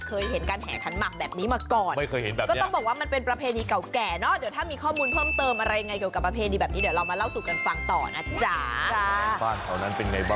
เจ้าแซวกันอย่างนี้จ้ะ